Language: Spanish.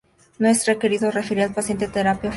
No es requerido referir al paciente terapia farmacológica.